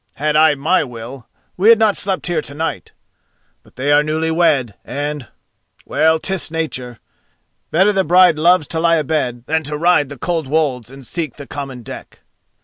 Had I my will, we had not slept here to night. But they are newly wed, and—well, 'tis nature! Better the bride loves to lie abed than to ride the cold wolds and seek the common deck."